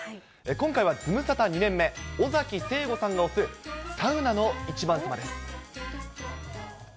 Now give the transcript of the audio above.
今回はズムサタ２年目、尾崎誠悟さんの推すサウナの１番さまです。